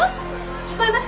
聞こえます？